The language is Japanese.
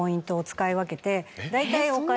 大体。